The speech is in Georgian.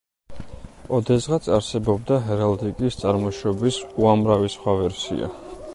ოდესღაც არსებობდა ჰერალდიკის წარმოშობის უამრავი სხვა ვერსია.